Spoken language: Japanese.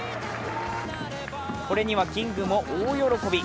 これにはキングも大喜び。